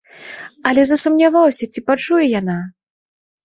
Але засумняваўся, ці пачуе яна?